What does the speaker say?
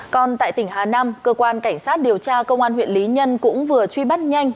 còn tại tỉnh hà nam cơ quan cảnh sát điều tra công an huyện lý nhân cũng vừa truy bắt nhanh